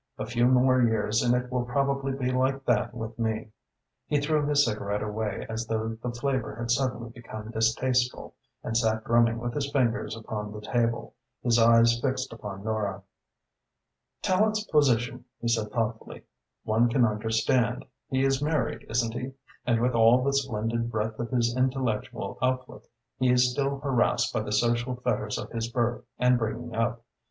A few more years and it will probably be like that with me." He threw his cigarette away as though the flavour had suddenly become distasteful and sat drumming with his fingers upon the table, his eyes fixed upon Nora. "Tallente's position," he said thoughtfully, "one can understand. He is married, isn't he, and with all the splendid breadth of his intellectual outlook he is still harassed by the social fetters of his birth and bringing up.